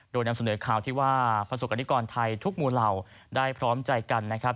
โดยนำเสนอข่าวที่ว่าประสบกรณิกรไทยทุกหมู่เหล่าได้พร้อมใจกันนะครับ